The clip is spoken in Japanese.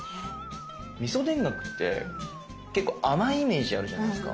みそ田楽って結構甘いイメージあるじゃないですか。